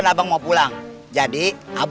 eh selalu gua itu